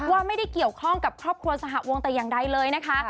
ว่าไม่ได้เกี่ยวข้องกับครอบครัวสหวงแต่อย่างใดเลยนะคะ